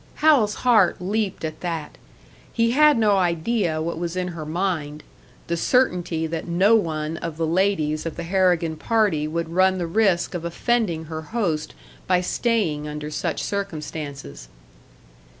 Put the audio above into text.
Hal's heart leaped at that; he had no idea what was in her mind the certainty that no one of the ladies of the Harrigan party would run the risk of offending her host by staying under such circumstances.